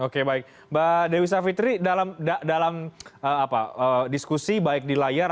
oke baik mbak dewi savitri dalam diskusi baik di layar